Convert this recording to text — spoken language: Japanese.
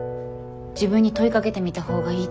自分に問いかけてみたほうがいいと思う。